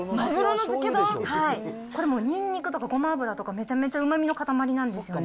これ、もうニンニクとかごま油とか、めちゃめちゃうまみの固まりなんですよね。